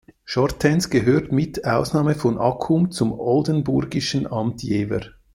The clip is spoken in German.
Schortens gehörte mit Ausnahme von Accum zum oldenburgischen Amt Jever.